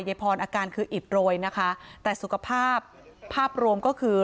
พรอาการคืออิดโรยนะคะแต่สุขภาพภาพรวมก็คือ